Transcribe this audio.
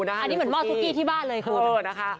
อันนี้เหมือนหม้อซุกกี้ที่บ้านเลยคุณนะคะ